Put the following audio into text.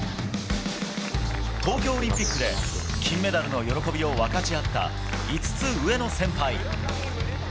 東京オリンピックで、金メダルの喜びを分かち合った５つ上の先輩。